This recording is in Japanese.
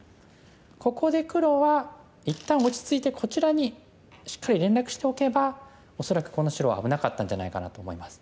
ここで黒は一旦落ち着いてこちらにしっかり連絡しておけば恐らくこの白は危なかったんじゃないかなと思います。